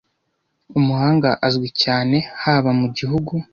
Umuhanga azwi cyane haba mu gihugu